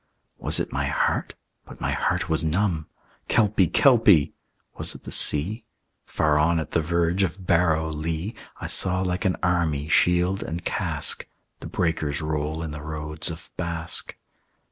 Was it my heart? But my heart was numb. "Kelpie, Kelpie!" Was it the sea? Far on, at the verge of Bareau lea, I saw like an army, shield and casque, The breakers roll in the Roads of Basque.